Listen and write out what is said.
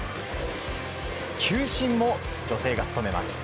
球審も女性が務めます。